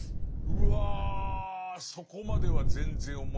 うわそこまでは全然思いつかなくて。